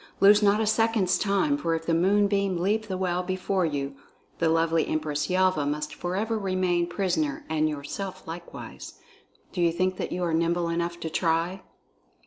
Lose not a second's time, for if the moonbeam leave the well before you, the lovely Empress Yelva must forever remain prisoner and yourself likewise. Do you think that you are nimble enough to try?"